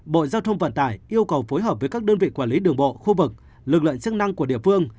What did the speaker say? bộ giao thông vận tải yêu cầu phối hợp với các đơn vị quản lý đường bộ khu vực lực lượng chức năng của địa phương